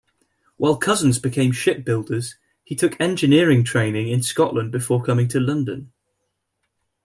While cousins became shipbuilders, he took engineering training in Scotland before coming to London.